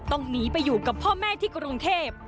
ต้องหนีไปอยู่กับพ่อแม่ที่กรุงเทพ